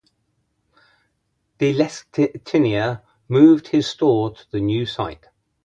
De Lestinier moved his store to the new site.